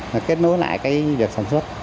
và kết nối lại cái việc sản xuất